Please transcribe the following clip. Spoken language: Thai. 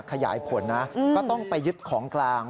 ขยายผลนะก็ต้องไปยึดของกลาง